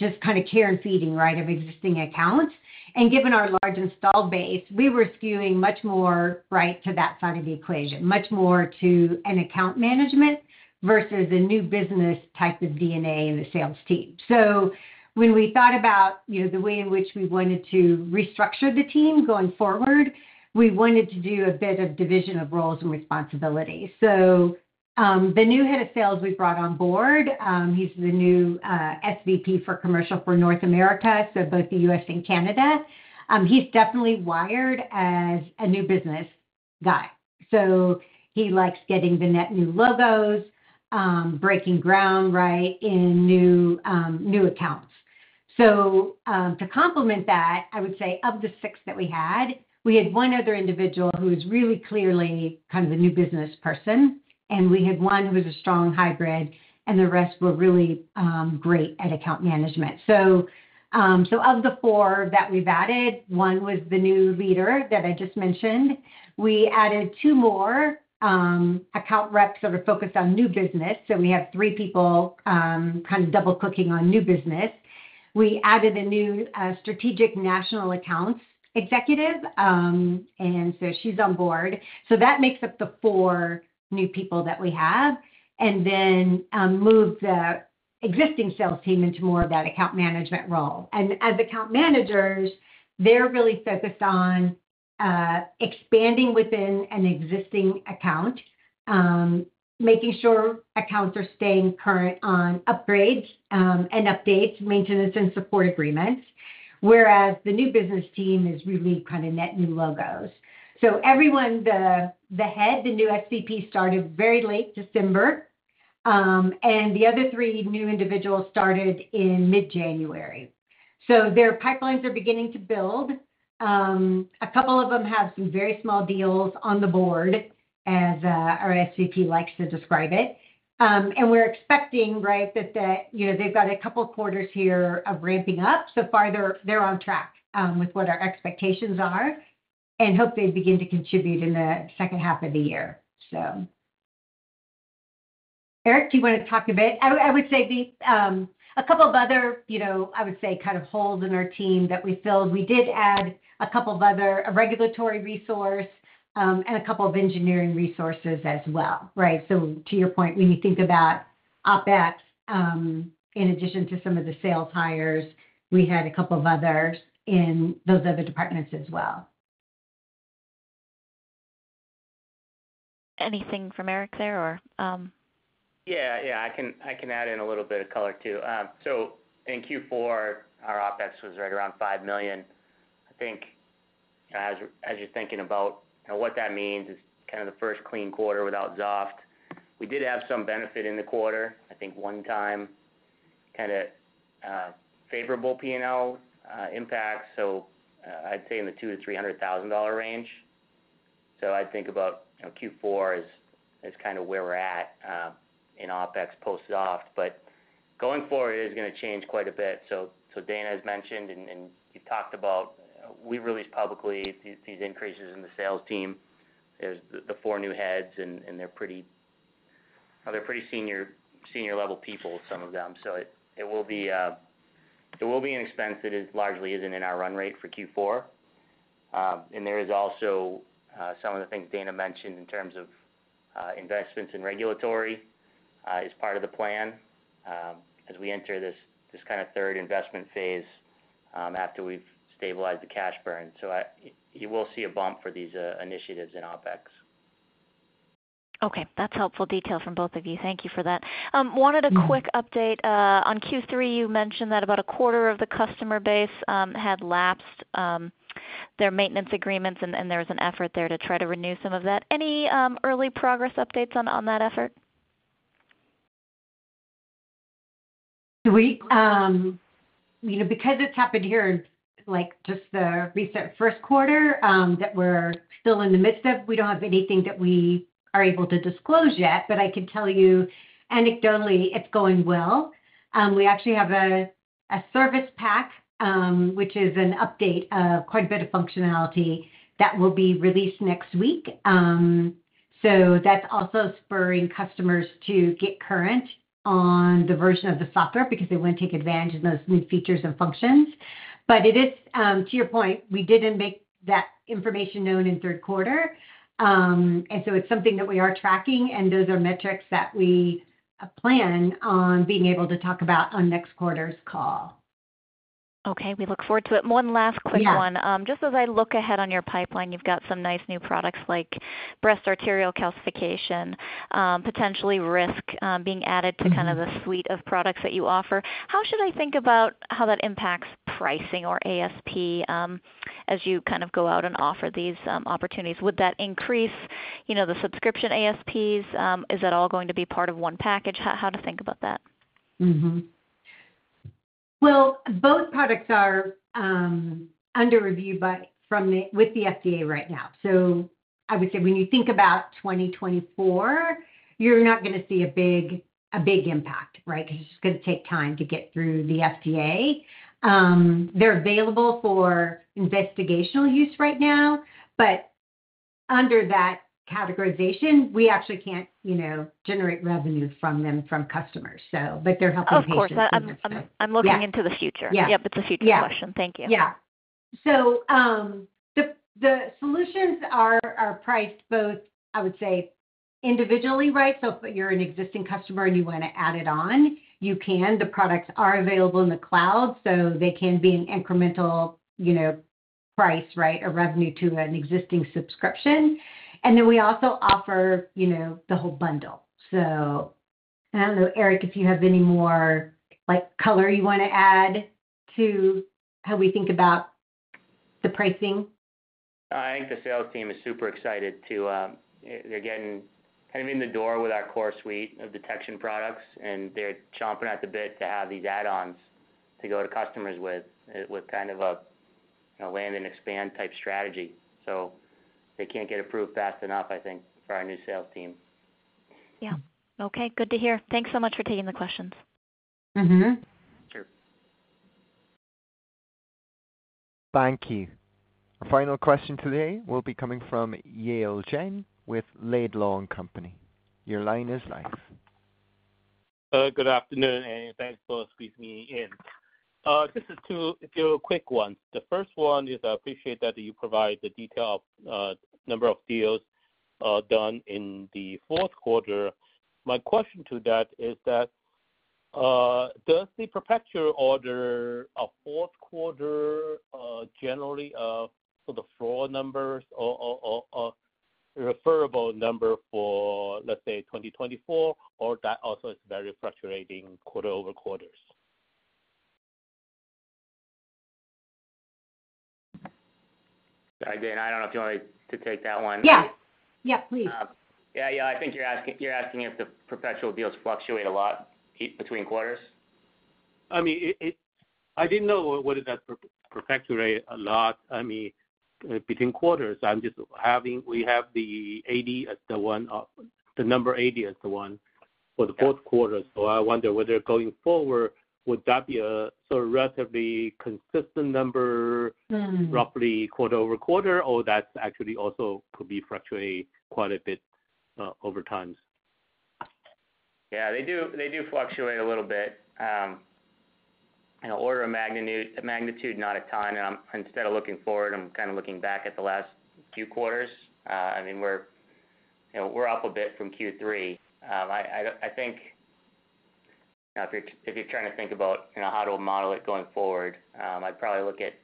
just kind of care and feeding, right, of existing accounts. And given our large installed base, we were skewing much more, right, to that side of the equation, much more to an account management versus a new business type of DNA in the sales team. So when we thought about the way in which we wanted to restructure the team going forward, we wanted to do a bit of division of roles and responsibilities. So the new head of sales we brought on board, he's the new SVP for Commercial for North America, so both the U.S. and Canada. He's definitely wired as a new business guy. So he likes getting the net new logos, breaking ground, right, in new accounts. So to complement that, I would say of the six that we had, we had one other individual who was really clearly kind of a new business person. And we had one who was a strong hybrid, and the rest were really great at account management. So of the four that we've added, one was the new leader that I just mentioned. We added two more account reps that are focused on new business. So we have three people kind of double-cooking on new business. We added a new strategic national accounts executive, and so she's on board. So that makes up the four new people that we have and then moved the existing sales team into more of that account management role. And as account managers, they're really focused on expanding within an existing account, making sure accounts are staying current on upgrades and updates, maintenance, and support agreements, whereas the new business team is really kind of net new logos. So everyone, the head, the new SVP, started very late December, and the other three new individuals started in mid-January. So their pipelines are beginning to build. A couple of them have some very small deals on the board, as our SVP likes to describe it. And we're expecting, right, that they've got a couple quarters here of ramping up. So far, they're on track with what our expectations are and hope they begin to contribute in the second half of the year, so. Eric, do you want to talk a bit? I would say a couple of other, I would say, kind of holes in our team that we filled. We did add a couple of other regulatory resources and a couple of engineering resources as well, right? So to your point, when you think about OpEx, in addition to some of the sales hires, we had a couple of others in those other departments as well. Anything from Eric there, or? Yeah. Yeah. I can add in a little bit of color too. So in Q4, our OpEx was right around $5 million. I think as you're thinking about what that means, it's kind of the first clean quarter without Xoft. We did have some benefit in the quarter, I think one time, kind of favorable P&L impacts. So I'd say in the $200,000-$300,000 range. So I'd think about Q4 is kind of where we're at in OpEx post-Xoft. But going forward, it is going to change quite a bit. So Dana has mentioned, and you've talked about, we released publicly these increases in the sales team. There's the four new heads, and they're pretty senior-level people, some of them. So it will be an expense that largely isn't in our run rate for Q4. There is also some of the things Dana mentioned in terms of investments and regulatory as part of the plan as we enter this kind of third investment phase after we've stabilized the cash burn. You will see a bump for these initiatives in OpEx. Okay. That's helpful detail from both of you. Thank you for that. Wanted a quick update. On Q3, you mentioned that about a quarter of the customer base had lapsed their maintenance agreements, and there was an effort there to try to renew some of that. Any early progress updates on that effort? Do we? Because it's happened here in just the first quarter that we're still in the midst of, we don't have anything that we are able to disclose yet. But I can tell you anecdotally, it's going well. We actually have a service pack, which is an update of quite a bit of functionality that will be released next week. So that's also spurring customers to get current on the version of the software because they want to take advantage of those new features and functions. But to your point, we didn't make that information known in third quarter. And so it's something that we are tracking, and those are metrics that we plan on being able to talk about on next quarter's call. Okay. We look forward to it. One last quick one. Just as I look ahead on your pipeline, you've got some nice new products like breast arterial calcification, potentially risk being added to kind of the suite of products that you offer. How should I think about how that impacts pricing or ASP as you kind of go out and offer these opportunities? Would that increase the subscription ASPs? Is that all going to be part of one package? How to think about that? Well, both products are under review with the FDA right now. So I would say when you think about 2024, you're not going to see a big impact, right, because it's just going to take time to get through the FDA. They're available for investigational use right now. But under that categorization, we actually can't generate revenue from them from customers, so. But they're helping patients. Of course. I'm looking into the future. Yep. It's a future question. Thank you. Yeah. So the solutions are priced both, I would say, individually, right? So if you're an existing customer and you want to add it on, you can. The products are available in the cloud, so they can be an incremental price, right, or revenue to an existing subscription. And then we also offer the whole bundle. And I don't know, Eric, if you have any more color you want to add to how we think about the pricing. I think the sales team is super excited that they're getting kind of in the door with our core suite of detection products, and they're chomping at the bit to have these add-ons to go to customers with kind of a land-and-expand type strategy. So they can't get approved fast enough, I think, for our new sales team. Yeah. Okay. Good to hear. Thanks so much for taking the questions. Sure. Thank you. Our final question today will be coming from Yale Jen with Laidlaw & Company. Your line is live. Good afternoon, Annie. Thanks for squeezing me in. This is two quick ones. The first one is I appreciate that you provide the detail of number of deals done in the fourth quarter. My question to that is that does the perpetual order of fourth quarter generally for the floor numbers or reliable number for, let's say, 2024, or that also is very fluctuating quarter over quarters? Dana, I don't know if you want me to take that one. Yeah. Yeah. Please. Yeah. Yeah. I think you're asking if the perpetual deals fluctuate a lot between quarters. I mean, I didn't know whether that fluctuates a lot. I mean, between quarters, we have the 80 as the one, the number 80 as the one for the fourth quarter. So I wonder whether going forward, would that be a sort of relatively consistent number roughly quarter-over-quarter, or that actually also could fluctuate quite a bit over time? Yeah. They do fluctuate a little bit, order of magnitude, not a ton. Instead of looking forward, I'm kind of looking back at the last few quarters. I mean, we're up a bit from Q3. I think if you're trying to think about how to model it going forward, I'd probably look at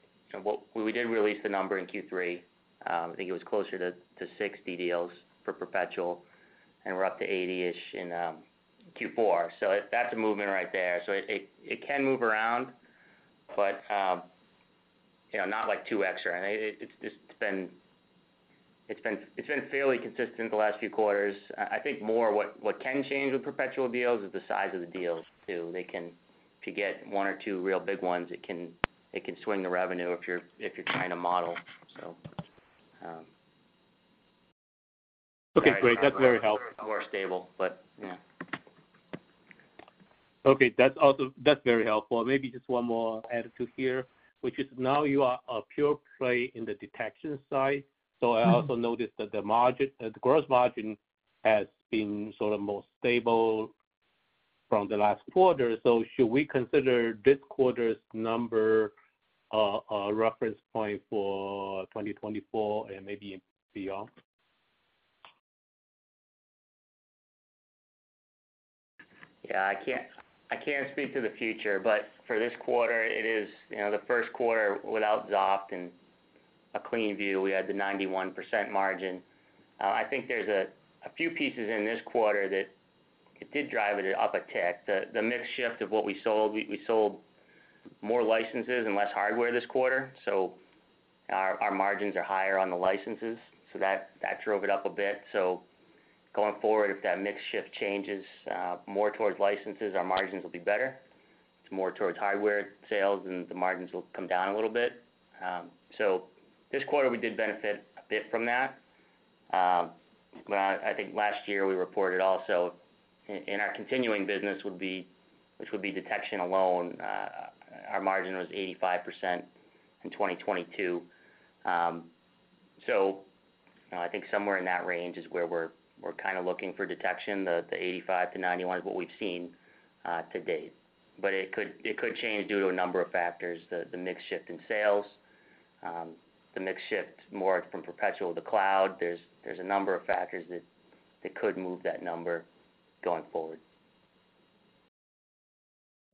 we did release the number in Q3. I think it was closer to 60 deals for perpetual, and we're up to 80-ish in Q4. So that's a movement right there. So it can move around, but not like 2x, right? It's been fairly consistent the last few quarters. I think more what can change with perpetual deals is the size of the deals too. If you get one or two real big ones, it can swing the revenue if you're trying to model, so. Okay. Great. That's very helpful. More stable, but yeah. Okay. That's very helpful. Maybe just one more added to here, which is now you are a pure play in the detection side. So I also noticed that the gross margin has been sort of more stable from the last quarter. So should we consider this quarter's number a reference point for 2024 and maybe beyond? Yeah. I can't speak to the future, but for this quarter, it is the first quarter without Xoft and a clean view. We had the 91% margin. I think there's a few pieces in this quarter that did drive it up a tick. The mix shift of what we sold, we sold more licenses and less hardware this quarter. So our margins are higher on the licenses. So that drove it up a bit. So going forward, if that mix shift changes more towards licenses, our margins will be better. It's more towards hardware sales, and the margins will come down a little bit. So this quarter, we did benefit a bit from that. But I think last year, we reported also in our continuing business, which would be detection alone, our margin was 85% in 2022. So I think somewhere in that range is where we're kind of looking for detection. The 85%-91% is what we've seen to date. But it could change due to a number of factors, the mix shift in sales, the mix shift more from perpetual to cloud. There's a number of factors that could move that number going forward.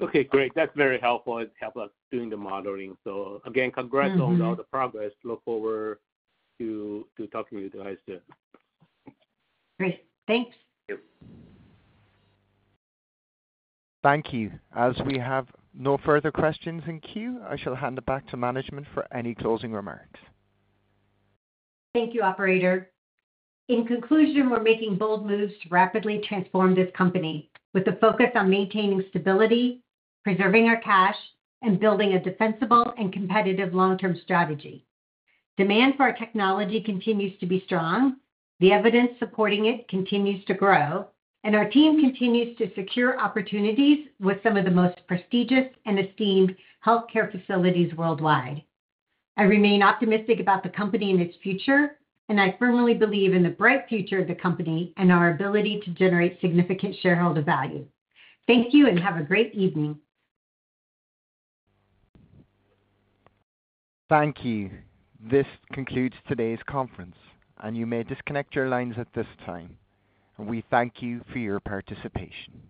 Okay. Great. That's very helpful. It helped us doing the modeling. So again, congrats on all the progress. Look forward to talking with you guys soon. Great. Thanks. You. Thank you. As we have no further questions in queue, I shall hand it back to management for any closing remarks. Thank you, operator. In conclusion, we're making bold moves to rapidly transform this company with a focus on maintaining stability, preserving our cash, and building a defensible and competitive long-term strategy. Demand for our technology continues to be strong. The evidence supporting it continues to grow. And our team continues to secure opportunities with some of the most prestigious and esteemed healthcare facilities worldwide. I remain optimistic about the company and its future, and I firmly believe in the bright future of the company and our ability to generate significant shareholder value. Thank you and have a great evening. Thank you. This concludes today's conference, and you may disconnect your lines at this time. We thank you for your participation.